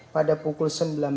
pada pukul sembilan belas